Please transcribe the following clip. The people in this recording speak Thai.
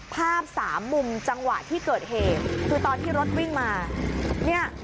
ภาพสามมุมจังหวะที่เกิดเหตุคือตอนที่รถวิ่งมาเนี่ย